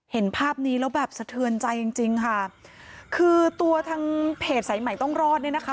เห็นภาพนี้แล้วแบบสะเทือนใจจริงจริงค่ะคือตัวทางเพจสายใหม่ต้องรอดเนี่ยนะคะ